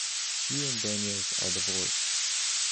He and Daniels are divorced.